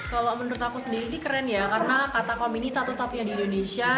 kalau menurut aku sendiri sih keren ya karena katakom ini satu satunya di indonesia